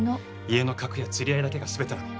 家の格や釣り合いだけが全てなの？